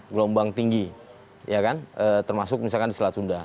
gelombang tinggi termasuk misalkan di selat sunda